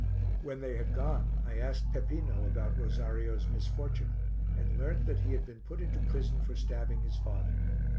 When they had gone, I asked Peppino about Rosario's misfortune and learnt that he had been put into prison for stabbing his father.